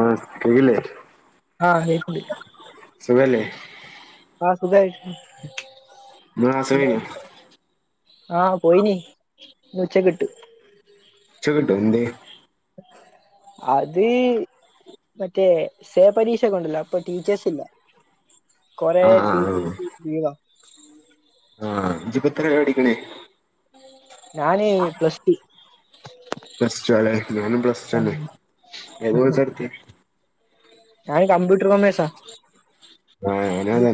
ആഹ് [unintelligible] ആഹ് കേക്ക്ണ്ട് സുഖല്ലേ ആഹ് സുഖായിരിക്കുന്നു [unintelligible] ആഹ് പോയിനി ഇന്ന് ഉച്ചക്ക് കിട്ടു ചക്കൂട്ടോ എന്ത്യേ? അത് മറ്റേ സേ പരീക്ഷ ക ണ്ടല്ലോ അപ്പൊ ടീച്ചേഴസ് ഇല്ല കൊറെ ആ ആ ടീച്ചസ് ലീവാ ആഹ് ഇഞ്ചി പത്ര ര പടിക്കണേ ഞാൻ പ്ലസ്റ്റു പ്ലസ് ടു അല്ലെ ഞാനും പ്ലസ്റ്റു ന്നെ ഏത് കൊയ്‌സ എടുത്തേ ഞാൻ കമ്പ്യൂട്ടർ കോമേസ ആ ഞാനാ ജി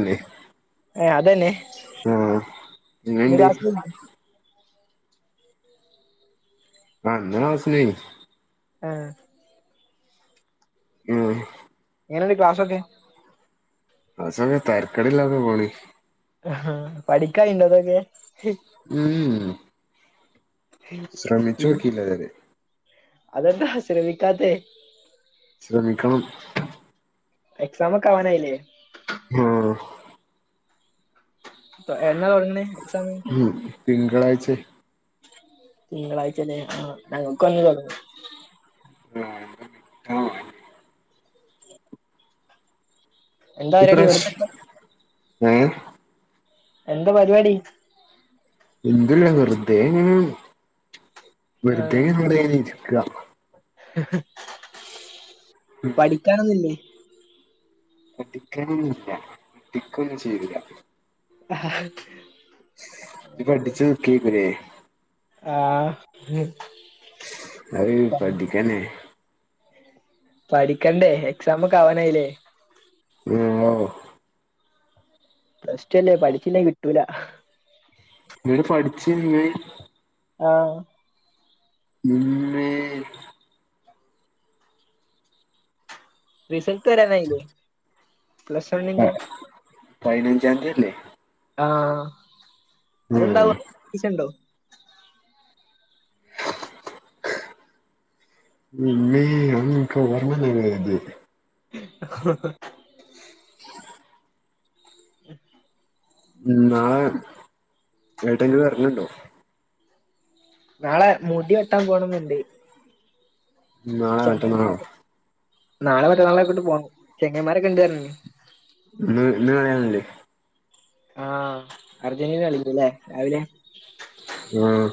ഏഹ് അതന്നെ ആഹ് [unintelligible] [inaudible] ആഹ് ഇന്ന് ക്ലാസ്സിൽ പോയിനി ആഹ് ആഹ് എങ്ങന ക്ലസ് ക്കെ ക്ലാസൊക്കെ തെരക്കടി ലാതെ പോണ ആഹ് പഠിക്ക യ്യ് ണ്ടോ അതൊക്കെ ഉമ് ശ്രമിച്ചു നോക്കില്ല ത് വരെ അതെന്താ ശ്രമിക്കാതെ ശ്രമിക്കണം എക്സാമക്കെ ആവാനായില്ലേ ആഹ് അപ്പൊ എന്നാ [unintelligible] ഉം തിങ്കളാഴ്ച തിങ്കളാഴ്ചല്ലേ ആഹ് ഞങ്ങൾക്ക് അന്ന തുടങ്ങുന്നെ ആഹ് ആഹ് എന്താ ഇത്ര പരിപാടി വെറുതെരിക്കാ ഏ എന്താ പരിപാടി എന്ല്ല വെറുതെ ആഹ് വെറുതെ [unintelligible] പഠിക്കാനൊന്നില്ലേ പഠിക്കാനില്ല പട്ടിക്കൊ ഒന്നും ചെയ്തില്ല അഹ് ഇ പഠിച്ച കേക്കനേ ആഹ് അത് പഠിക്കാനേ പഠിക്കണ്ടേ എക്സാംമ ഒക്കെ അവനായില്ലേ ഓ പ്ലസ് ടു അല്ലേ പഠിച്ചില്ല കിട്ടൂല [unintelligible] പഠിച്ചിന്ന് ആഹ ഉം ഇമ്മേ റിസൾട്ട് വരാനായില്ലേ പ്ലസ് വണ്ണിന്റെ പതിനഞ്ചാംതില്ലേ ആഹ ഉം അതെന്താവുംണ്ടോ പിന്നെ [unintelligible] ഓർമന്നയില്ല എഴുതിയെ [unintelligible] [unintelligible] ഉം നാളെ ഏങ്ങോട്ടങ്ങ് വരഞ്ഞുണ്ടോ നാളെ മുടി വെട്ടാൻ പോണന്ന്ണ്ട് നാളെ മറ്റന്നാളോ ചെങ്ങൈമാരക്കെ നാളെ മറ്റന്നാളെക്കട്ട് പോവാം ചെങ്ങയ്മാരൊക്കെ ണ്ട്‌ർഞ്ഞ്ക്ക്ണ് ഇ ഇന്ന് കളിയാണാനില്ലേ ആഹ് അർജന്റീന കളിച്ച അല്ലേ രാവിലെ ഉം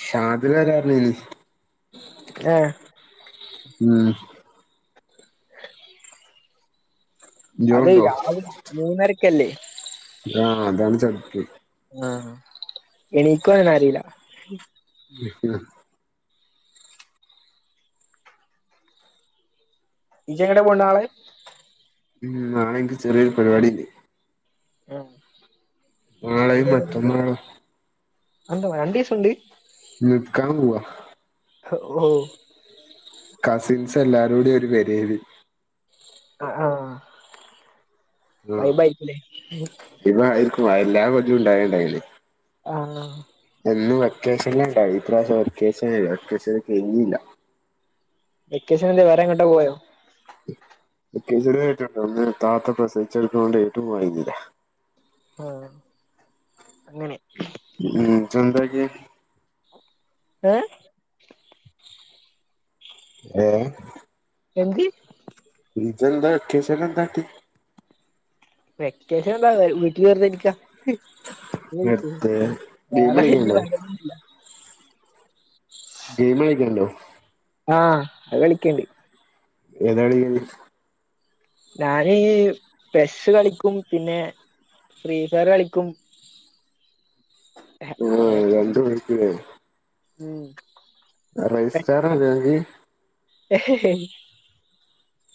ഷാദിലെരാർഞ്ഞീനു ഏഹ് ഉം അതെയ് ഇജോണ്ടോ രാവിലെ മൂന്നരക്കല്ലേ ആഹ് അതാണ് [unintelligible] ആഹ് ഇണിക്കുംഓനറീല [inaudible] ജ്ജെങ്ങട്ടേലും പോവണ്ടോ നാളെ ഉം നാളിൻക്ക് ചെറിയൊരു പരിപാടിണ്ട്‌ നാളെയും മറ്റന്നാളും [unintelligible] രണ്ടീസൊണ്ട് നിക്കാൻ പോവാ ഓ കസിൻസ് എല്ലാരും കൂടി ഒരു പെരേല് ആഹ് ആഹ് വൈബായിരിക്കുല്ലേ [unintelligible] ആരിക്കും എല്ലാ കൊല്ലും ണ്ടാ [unintelligible] ആഹ് എന്നും വെക്കേഷൻ ഉണ്ടാവും ഇപ്രാവശ്യം വെക്കേഷൻ ഇല്ല വെക്കേഷൻ [inaudible] വെക്കേഷൻ എന്ത വേറെ എങ്ങോട്ട് പോയോ [unintelligible] താത്ത പ്രസവിച്ച്ക്കിടക്കണോണ്ട്‌ എങ്ങട്ടും പോയിരുന്നില്ല ആഹ് അങ്ങനെ ഉം [unintelligible] ഏ ഏഹ് എന്തിയെ ഇജ്ജെന്താ വെക്കേഷൻലെന്തക്കി? വെക്കേഷൻ എന്താ വീട്ടില് വെർതെയിരിക്യാ നിർത്ത് ഗെയിം വേറെ കളിക്കണ്ടോ [unintelligible] വരൊന്നില്ല ഗെയിമ് കളിക്കണ്ണ്ടോ ആഹ് അത് കളിക്ക്ണ്ട്‌ ഏതാ [unintelligible] ഞാന് പെസ്സ് കളിക്കും പിന്നെ ഫ്രീ ഫയറ് കളിക്കും [unintelligible] ആ അങ്ങനെയൊക്കെ രണ്ടും കളിക്കുലേ ഉം രജിസ്റ്റാറാ [unintelligible] ഹേ ഹേ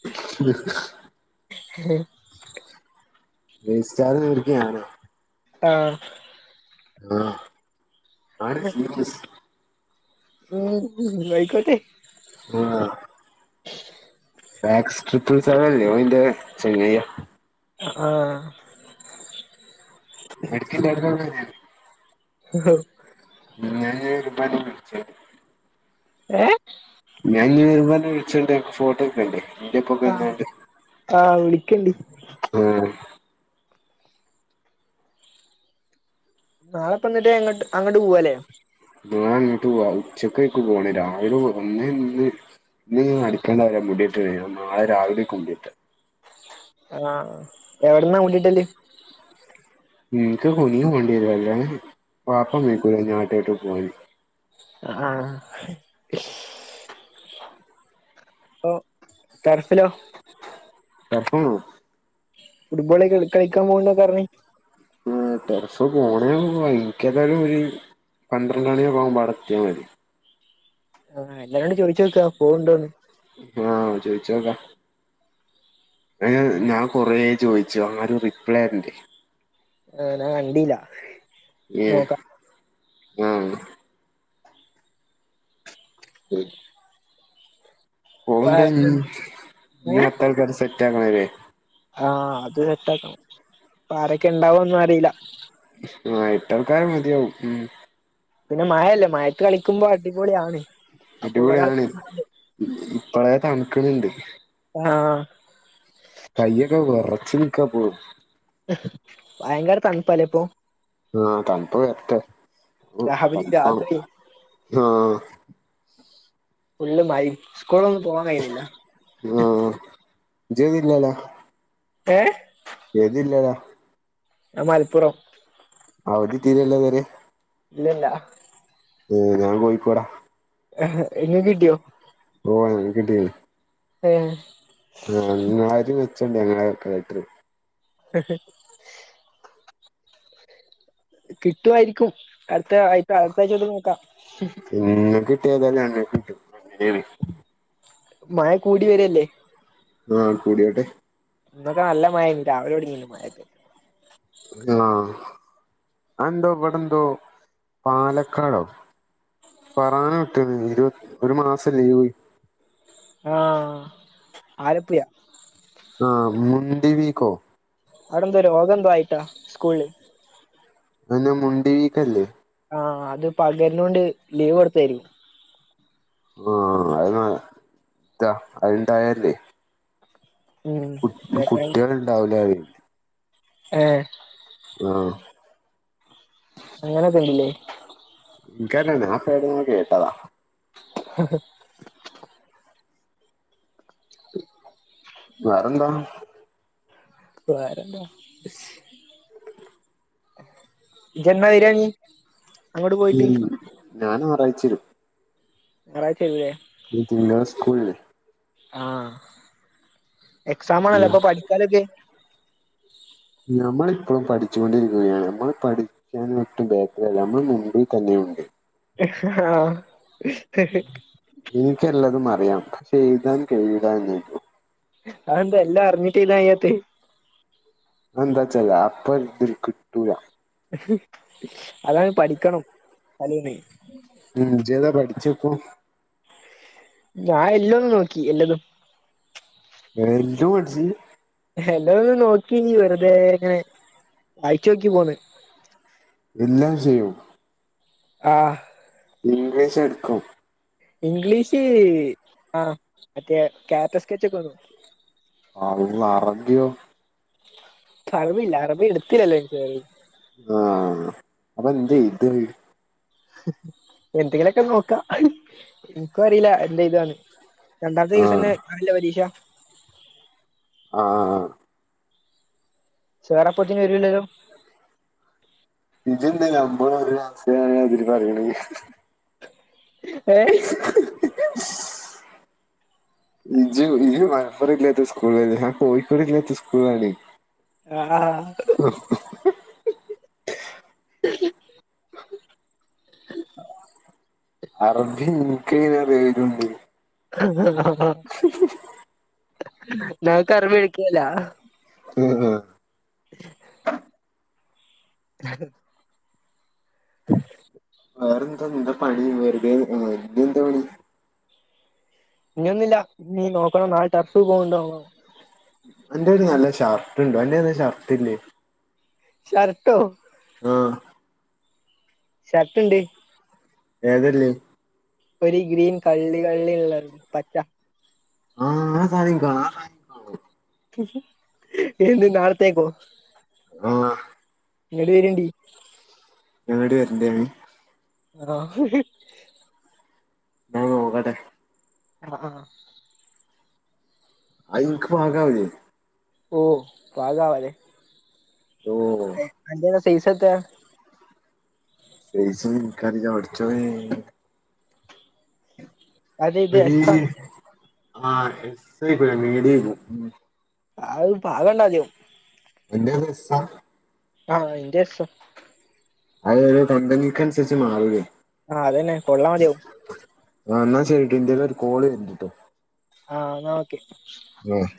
[inaudible] ഹെ [unintelligible] ആഹ് ആഹ് ആണിച്ചീപെസ്റ്റ് ഉം ആയിക്കോട്ടെ [inaudible] ലാക്സ് ട്രിപ്പിൾ സെവൻല്ലേ അയിന്റെ ചെങ്ങായാ ആഹ് എടക്കെല്ലാരുംങ്ങനെ ഹോ [inaudible] ഏ ഞാൻ ഇന്ന് വല വിരിച്ചതിൻ്റെ ഫോട്ടോക്കെണ്ട്. ആഹ് ആഹ് വിളിക്കണ്ട്. മ് ഹ് നാളെപ്പന്നട്ട് അങ്ങട് അങ്ങട് പോവാലേ. [unintelligible] അങ്ങട്ട് പോവാം. ഉച്ചക്ക് എനിക്ക് പോണം. രാവിലെ ഒന്നെന്ന് ഇതൊന്നും അടുക്കണ്ടാവില്ല മൂടിയിട്ട് കഴിയും നാളെ രാവിലെ [unintelligible] ആഹ് എവിടന്നാ മുടി വെട്ടല്? എനിക്ക് കുനിഞ്ഞും കണ്ടീലല്ലേ പാപ്പം കയിക്കൂല ഞാട്ടോട്ട് പോയി. ആഹ് ഓ ടെറസിലോ. [unintelligible] ഫുട്ബോള് ഇടയ്‌ക്ക് കളിക്കാൻ പോകുന്ന് പറഞ്ഞ്. ആ ടെറസ് മോളില് ഭയങ്കരായിട്ട് പിഴിയും. പന്ത്രണ്ട് മണിയൊക്കാകുമ്പേ അവിടെ എത്തിയാ മതി. ആഹ് എല്ലാരോണ്ട് ചോദിച്ചു വെക്കാ പോവണ്ടോന്ന്. ആഹ് ചോദിച്ചു നോക്കാം. അയിന് ഞാൻ കൊറേ ചോദിച്ചു ആരും റിപ്ലെ തരണ്ടേ. നെ ഞാൻ കണ്ടീല്ല ഏഹ് നോക്കാം ആഹ് ഉം പോകണ്ടനീ. ഇനിം ഏഹ് അടുത്ത ക്കാരെ സെറ്റ് ആക്കണല്ലേ. ആഹ് അത് സെറ്റ് ആക്കാം. ആരൊക്കെ ഉണ്ടാവോന്ന് അറിയില്ല. ആ ഏട്ടാൾക്കാര് മതിയാവും. ഉം പിന്നെ മഴയല്ലേ മഴയത്ത് കളിക്കുമ്പോ അടിപൊളിണ്. അടിപൊളിയാണ്. ഇപ്പളേ തണുക്കണുണ്ട്. അ ആ കയ്യൊക്കെ വിറച്ച് നിക്കാ ഇപ്പോഴും. ഭയങ്കര തണുപ്പാല്ലേ ഇപ്പോ. ആഹ് തണുപ്പ് വരട്ടെ. ഹ് രാവിലെ തണുപ്പാണ്. രാത്രി ആഹ് ഫുള്ള് മയിമ് സ്കൂൾളെന്നും പോവാൻ കഴിണില്ല. ഇജ്ജ് വരില്ലാല. ഏ യെത് ജില്ലയില്ല! ! ! ! ! ! ! ! ! ! ഞാൻ മലപ്പുറം. ! ! ! ! ! ! ! ! ! ! അവധി കിട്ടിയില്ലല്ലോ ഇത് വരേം ഇല്ല ഇല്ല. ഞാൻ കോയിക്കോടാ. ! ! ! ! ! ! ! ! ! ! എഹ് ഇങ്ങക്ക് കിട്ടിയോ? ഓ ഞങ്ങക്ക് കിട്ടി. ഹെ ആ നിങ്ങരീം മേച്ചോണ്ട് ഞങ്ങടെ കളക്ടറ് ഹെ ഹെ കിട്ടുവായിരിക്കും. അടുത്ത ആയിച്ച അടുത്ത ആഴ്ച്ച തൊട്ട് നോക്കാം. നിങ്ങക്ക് കിട്ടിയതാ ഞങ്ങക്ക് കിട്ടും. അങ്ങനെയാണ്. മഴ കൂടി വരല്ലേ. ആ കൂടിട്ടെ. ഇന്നൊക്കെ നല്ല മഴയായിരുന്നു. രാവിലെ തൊടങ്ങീ മഴയൊക്കെ. ആഹ അഹ് ന്ധോ ഇവിടെന്ധോ പാലക്കാടോ ഫറാന വിട്ട്ക്കനു ഇരു ഒരു മാസം ലീവ് ആഹ ആലപ്പുഴ ആ മുണ്ടി വീക്കോ അവിടെന്ത രോഗന്ത ആയിട്ടാ സ്കൂളില് അതന്നെ മുണ്ടി വീക്കല്ലേ ആഹ അത് പകരന്ന കൊണ്ട് ലീവ് കൊടുത്തായിരിക്കും ആഹ അഹ് ന്നാ താ അഹ്ണ്ടായല്ലേ ഉം കു കുട്ടികൾ ഉണ്ടാവില്ല റിം ഹെ ആഹ അങ്ങനെയൊക്കെ ഇണ്ട്‌ല്ലേ ഇക്കാറില്ല ഞാൻ പ്പ യെടുന്ന കേട്ടതാ ആ ഹ [inaudible] വേറെന്താ വേറെന്താ ഇജ്ജ് ന്നാ വരാന്നി ഉം ഞാൻന്നറായിച്ചരും ഞറാഴ്ചവരൂലേ ഇന്ന് തിങ്കളാ സ്കൂളില്ലേ. ആഹ് എക്സാമാണല്ലോ. ഉം. അപ്പൊ പഠിക്കാനൊക്കെ? നമ്മളിപ്പോഴും പഠിച്ചുൊണ്ടിരിക്കുകയാണ് നമ്മൾ പ ഞാൻ ഒട്ടും ബാക്കിലല്ല നമ്മൾ മുൻപിൽ തന്നെയുണ്ട് ആഹ എനിക്കല്ലതും അറിയാം പക്ഷെ എഴുതാൻ കഴിയുല്ലാന്ന് അതെന്താ എല്ലാ അറിഞ്ഞിട്ട് ചെയ്യത്ത് എന്താച്ചല്ല അപ്പ ഇതി കിട്ടൂല അതാണ് പഠിക്കണം തലീന്ന് ഉം ജേതാ പഠിച്ച ഇപ്പ ഞാൻ എല്ലാം നോക്കി എന്റെതും [unintelligible] എല്ലാ ഒന്ന് നോക്കി വെറുതെ ഇങ്ങനെ വായിച്ചു നോക്കി പോന്ന് എല്ലാം ചെയ്യൂ ആഹ് ഇംഗ്ലീഷ് എടുക്കും ഇംഗ്ലീഷ് ആ മറ്റേ കാറ്റ സ്കെച്ച് ഒക്കെന്നോ [unintelligible] അറബില്ല അറബി എടുത്തില്ലല്ലോ [unintelligible] ആഹ അപ്പൊ എന്ത് എയ്ത് എന്തെങ്കിലുമൊക്കെ നോക്കാ എനിക്കും അറിയില്ല എന്റെ ഇതാണ് രണ്ടാമത്തെ ദിവസം ആഹ് തന്നെ കാണല്ല പരീക്ഷ ആ ആ ആഹ് സേറാ അപ്പോഴുതേണ് വരൂല്ലല്ലോ [unintelligible] ഏഹ് ഇജു ഇജു മലപ്പുറ ഇല്ലാത്തെ സ്കൂള ഞാൻ കോഴിക്കോട് ഇല്ലാത്ത സ്കൂളാണ് ആഹ ആ [unintelligible] [inaudible] അറബി എനിക്ക അറിയതുണ്ട് [unintelligible] [unintelligible] [inaudible] [inaudible] [inaudible] വേറെന്താ എന്താ പണി വെറുതെ വ എന്താ പണി ഇഞ്ഞോന്നുമില്ല ഇനി നോക്കണം നാളെ [unintelligible] പോകണ്ട് അന്റെ ഒരു നല്ല ഷർട്ടുണ്ടോ എന്റെഅടുത്ത് ഷർട്ട് ഇല്ലേ ഷർട്ടോ ആഹ ഷർട്ട് ഉണ്ട് ഏത് ഉള്ളത് ഒരു ഗ്രീൻ കള്ളി കള്ളി ഉള്ള പച്ച ആഹ [unintelligible] എന്ന്‌ നാളത്തേക്കോ ആഹ് ഇങ്ങോട്ട് വരേൻണ്ടി എവിടെ വരേണ്ടത് ആഹ് നോക്കട്ടെ ആഹ് ആഹ് അയ് നിക്ക് പാകം ആവില്ലേ ഓ പാകാവാതെ ഓഹോ അന്റെ സൈസ് എത്ര സൈസ് ഒന്നും എനിക്ക് അറിയില്ല പടച്ചോനെ അത് ഇത് എസ് ആണ് [unintelligible] അത് പാകം ഇല്ലാതാകും [unintelligible] ആഹ് [unintelligible] അത് ഒരു കമ്പനികൾക്ക് അനുസരിച്ച് മാറുലെ ആഹ് അതന്നെ കൊള്ളാ മതിയാവും ആന്നാ ശരിട്ടോ ഇന്റയിൽ ഒരു കോള് വരുന്നുട്ട് ട്ടോ ആഹ് എന്ന ഓക്കെ ആഹ്